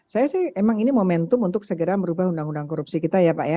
saya sih emang ini momentum untuk segera merubah undang undang korupsi kita ya pak ya